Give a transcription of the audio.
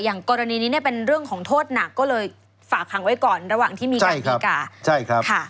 อย่างกรณีนี้เป็นเรื่องของโทษหนักก็เลยฝากหังไว้ก่อนระหว่างที่มีการพิการ